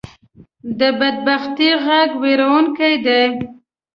د بدبختۍ غږ وېرونکې دی